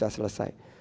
dan kita selesai